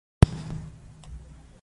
لوستې میندې د ماشوم هوساینه زیاتوي.